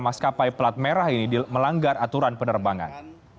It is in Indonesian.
maskapai pelat merah ini melanggar aturan penerbangan